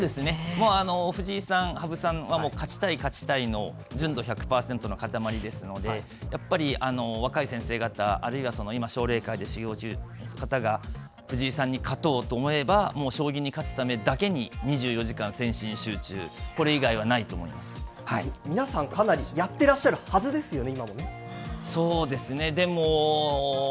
勝つためだけに藤井さん、羽生さんは勝ちたい勝ちたいの純度１００パーセントの塊ですので若い先生がた、あるいは奨励会で修行中の方が藤井さんに勝とうと思えば将棋に勝つためだけに２４時間専心集中皆さん、かなりやっていらっしゃるはずですよね